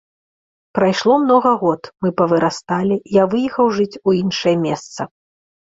Прайшло многа год, мы павырасталі, я выехаў жыць у іншае месца.